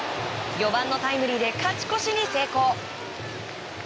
４番のタイムリーで勝ち越しに成功。